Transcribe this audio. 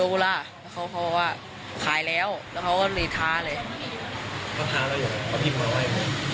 เขาก็บอกว่าขายแล้วแล้วเขาก็เลยทาเลย